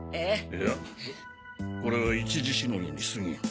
いやこれは一時しのぎにすぎん。